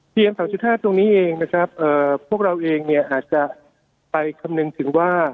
ทีมสาวสุธาตุตรงนี้เองนะครับพวกเราเองเนี่ยอาจจะไปคำนึงถึงว่า